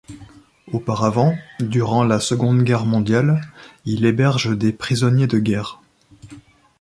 Auparavant, durant la Seconde guerre mondiale, il héberge des prisonniers de guerre.